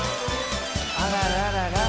あらららら。